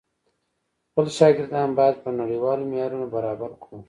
خپل شاګردان بايد په نړيوالو معيارونو برابر کړو.